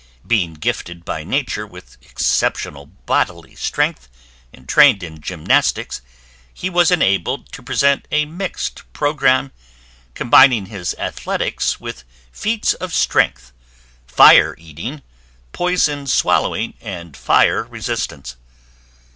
Being gifted by nature with exceptional bodily strength, and trained in gymnastics, he was enabled to present a mixed programme, combining his athletics with feats of strength, fire eating, poison swallowing, and fire resistance.